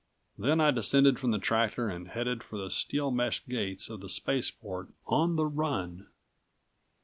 Then I descended from the tractor and headed for the steel mesh gates of the spaceport on the run.